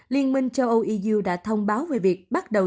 liên minh châu âu eu đã thông báo về việc bắt đầu